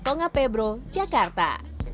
tonga pebro jakarta